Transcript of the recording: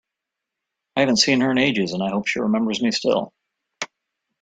I haven’t seen her in ages, and I hope she remembers me still!